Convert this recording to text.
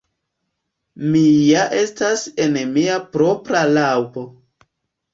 Mi ja estas en mia propra laŭbo.